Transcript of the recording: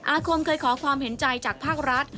อาคมเคยขอความเห็นใจจากภาครัฐ